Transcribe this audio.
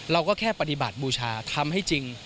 เราก็แค่ปฏิบัติบูชาทำให้จริง